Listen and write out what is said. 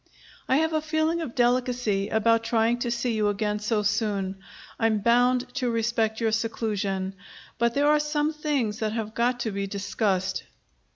I have a feeling of delicacy about trying to see you again so soon. I'm bound to respect your seclusion. But there are some things that have got to be discussed.